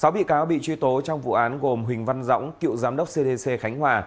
sáu bị cáo bị truy tố trong vụ án gồm huỳnh văn dõng cựu giám đốc cdc khánh hòa